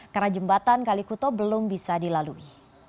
karena jembatan kalikuto belum bisa dilalui